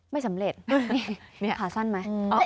ไม่สำเร็จนี่ขาสั้นไหม